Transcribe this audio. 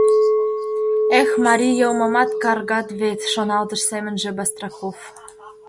«Эх, марий йылмымат каргат вет», — шоналтыш семынже Бастраков.